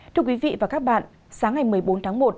thưa quý vị và các bạn sáng ngày một mươi bốn tháng một